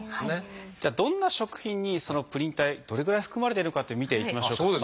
じゃあどんな食品にそのプリン体どれぐらい含まれてるかって見ていきましょうか。